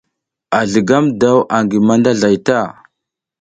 A zligam daw angi mandazlay ta.